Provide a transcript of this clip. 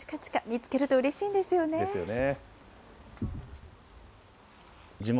見つけるとうれしですよね。